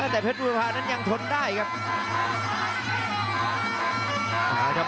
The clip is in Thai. แต่เพชรภาพยักษ์นั้นยังทนได้ครับ